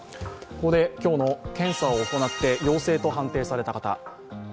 ここで今日の検査を行って陽性と判断された方。